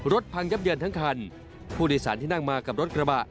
พังยับเยินทั้งคันผู้โดยสารที่นั่งมากับรถกระบะ